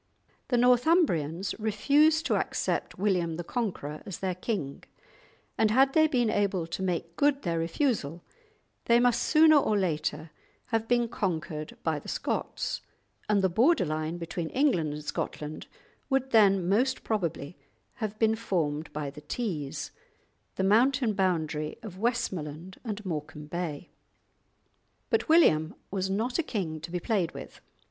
The Northumbrians refused to accept William the Conqueror as their king; and had they been able to make good their refusal, they must sooner or later have been conquered by the Scots, and the border line between England and Scotland would then most probably have been formed by the Tees, the mountain boundary of Westmoreland, and Morecambe Bay. But William was not a king to be played with.